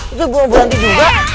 itu buah berhenti juga